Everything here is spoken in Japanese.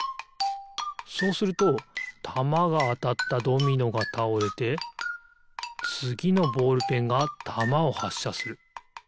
そうするとたまがあたったドミノがたおれてつぎのボールペンがたまをはっしゃする。